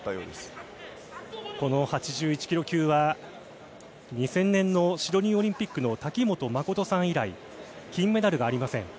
この８１キロ級は、２０００年のシドニーオリンピックのたきもとまことさん以来、金メダルがありません。